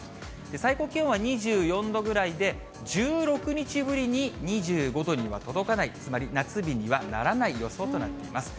最高気温は２４度ぐらいで、１６日ぶりに２５度には届かない、つまり夏日にはならない予想となっています。